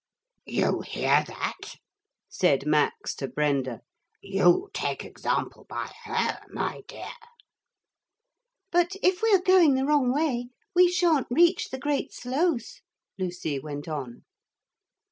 ('You hear that,' said Max to Brenda; 'you take example by her, my dear!') 'But if we are going the wrong way, we shan't reach the Great Sloth,' Lucy went on.